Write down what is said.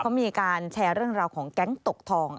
เขามีการแชร์เรื่องราวของแก๊งตกทอง